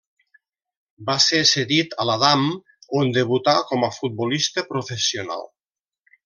Va ser cedit a la Damm, on debutà com a futbolista professional.